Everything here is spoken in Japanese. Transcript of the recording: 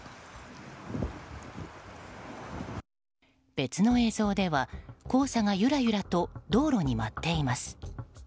別の映像では、黄砂がゆらゆらと道路に舞っています。